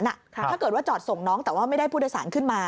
ถ้าเกิดว่าจอดส่งน้องแต่ว่าไม่ได้ผู้โดยสารขึ้นมา